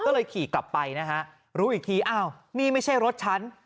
ก็เลยขี่กลับไปนะฮะรู้อีกทีอ้าวนี่ไม่ใช่รถฉัน